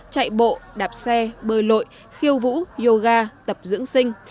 chạy bộ đạp xe bơi lội khiêu vũ yoga tập dưỡng sinh